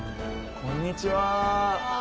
こんにちは。